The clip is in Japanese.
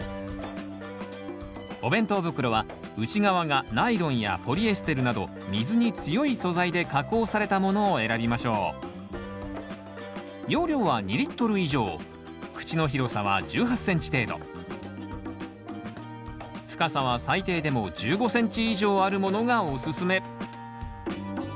お弁当袋は内側がナイロンやポリエステルなど水に強い素材で加工されたものを選びましょう深さは最低でも１５ｃｍ以上あるものがおすすめ。